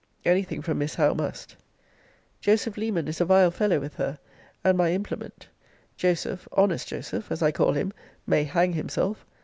Any thing from Miss Howe must. Joseph Leman is a vile fellow with her, and my implement. Joseph, honest Joseph, as I call him, may hang himself.